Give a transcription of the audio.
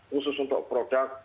khusus untuk produk